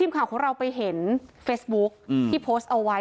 ข่าวของเราไปเห็นเฟซบุ๊คที่โพสต์เอาไว้